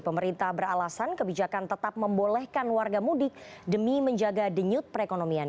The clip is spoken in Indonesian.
pemerintah beralasan kebijakan tetap membolehkan warga mudik demi menjaga denyut perekonomian